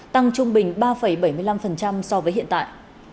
tăng trung bình ba bảy mươi năm so với hiện tại